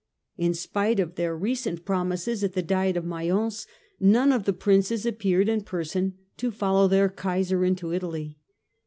In spite of their recent promises at the Diet of Mayence, none of the Princes appeared in person to follow their Kaiser into Italy.